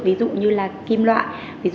ví dụ như là kim loại